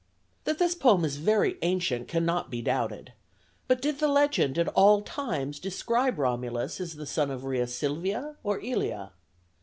That this poetry is very ancient cannot be doubted; but did the legend at all times describe Romulus as the son of Rea Silvia or Ilia?